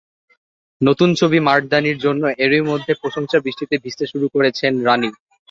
নতুন ছবি মারদানির জন্য এরই মধ্যে প্রশংসার বৃষ্টিতে ভিজতে শুরু করেছেন রানি।